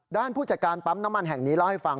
ผู้จัดการปั๊มน้ำมันแห่งนี้เล่าให้ฟัง